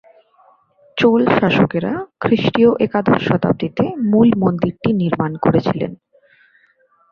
চোল শাসকেরা খ্রিস্টীয় একাদশ শতাব্দীতে মূল মন্দিরটি নির্মাণ করেছিলেন।